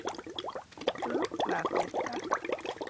Imut lakwet ga.